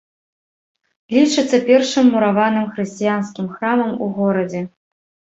Лічыцца першым мураваным хрысціянскім храмам у горадзе.